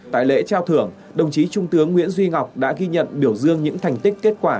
tại lễ trao thưởng đồng chí trung tướng nguyễn duy ngọc đã ghi nhận biểu dương những thành tích kết quả